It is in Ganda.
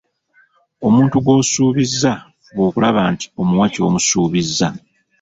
Omuntu gw’osuubiza fuba okulaba nti omuwa ky'omusuubizza.